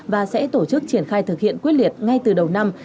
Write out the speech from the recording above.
và sẽ tổ chức triển khai thực hiện quyết liệt ngay từ đầu năm